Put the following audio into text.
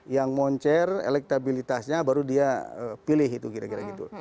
yang moncer elektabilitasnya baru dia pilih itu kira kira gitu